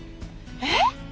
えっ？